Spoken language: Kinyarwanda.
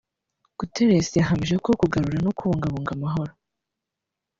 Guterres yahamije ko kugarura no kubungabunga amahoro